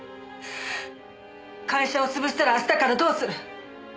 「会社を潰したら明日からどうする？」